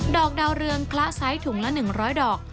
อกดาวเรืองคละไซส์ถุงละ๑๐๐ดอก